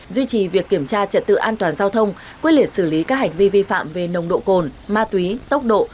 duy trì việc kiểm tra trật tự an toàn giao thông quyết liệt xử lý các hành vi vi phạm về nồng độ cồn ma túy tốc độ